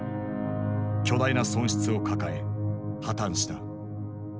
巨大な損失を抱え破綻した。